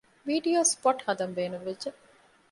ވީޑިއޯ ސްޕޮޓް ހަދަން ބޭނުންވެއްޖެ